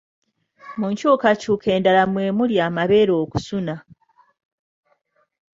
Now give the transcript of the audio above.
Mu nkyukakyuka endala mwe muli amabeere okusuna.